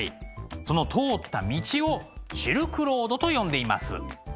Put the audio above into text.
その通った道をシルクロードと呼んでいます。